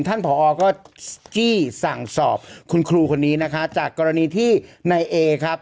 ผอก็จี้สั่งสอบคุณครูคนนี้นะคะจากกรณีที่ในเอครับ